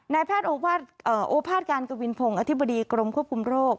โอภาษการกวินพงศ์อธิบดีกรมควบคุมโรค